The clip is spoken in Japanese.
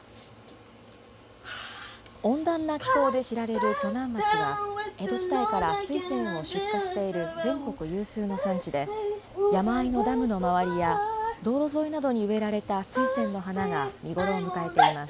温暖な気候で知られる鋸南町は、江戸時代から水仙を出荷している全国有数の産地で、山あいのダムの周りや道路沿いなどに植えられた水仙の花が見頃を迎えています。